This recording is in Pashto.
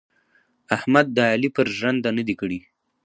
احمد د علي پر ژنده نه دي کړي.